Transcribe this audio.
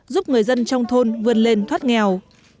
giúp người dân trong thôn vươn lên thoát nghèo